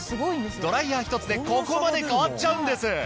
ドライヤーひとつでここまで変わっちゃうんです。